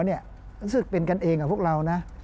รู้สึกเป็นกันเองกับพวกเรานะ